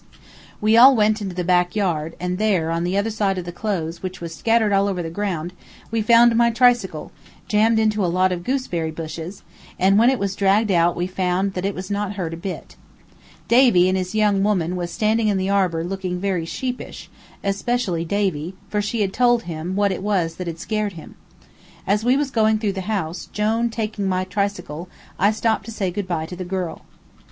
We all went into the back yard, and there, on the other side of the clothes, which was scattered all over the ground, we found my tricycle, jammed into a lot of gooseberry bushes, and when it was dragged out we found it was not hurt a bit. Davy and his young woman was standing in the arbor looking very sheepish, especially Davy, for she had told him what it was that had scared him. As we was going through the house, Jone taking my tricycle, I stopped to say good by to the girl.